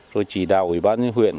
rồi chỉ đạo huyện huyện